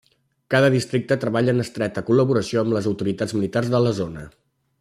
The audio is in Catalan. Cada districte treballa en estreta col·laboració amb les autoritats militars a la zona.